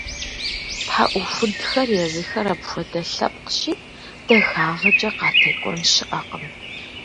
ТхьэӀухудхэр езыхэр апхуэдэ лъэпкъщи, дахагъэкӀэ къатекӀуэн щыӀэкъым.